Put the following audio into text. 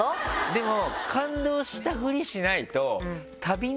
でも。